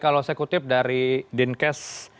kalau saya kutip dari dinkes